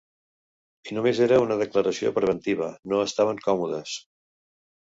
I només era una declaració preventiva: no estaven còmodes.